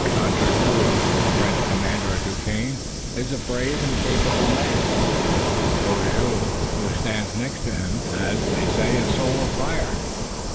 Contrecoeur, the French commander at Duquesne, is a brave and capable man. Beaujeu, who stands next to him, has, they say, a soul of fire.